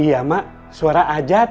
iya mak suara ajat